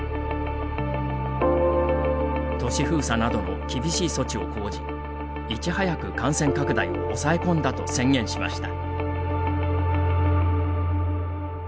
都市封鎖などの厳しい措置を講じ、いち早く感染拡大を抑え込んだと宣言しました。